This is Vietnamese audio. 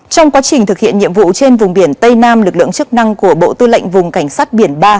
trong quá trình thực hiện nhiệm vụ trên vùng biển tây nam lực lượng chức năng của bộ tư lệnh vùng cảnh sát biển ba